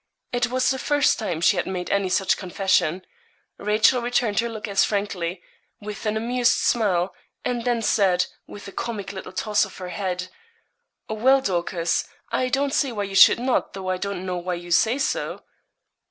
It was the first time she had made any such confession. Rachel returned her look as frankly, with an amused smile, and then said, with a comic little toss of her head 'Well, Dorcas, I don't see why you should not, though I don't know why you say so.'